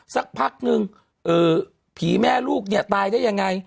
สักพักนึงผีแม่ลูกเนี่ยตายได้ยังไง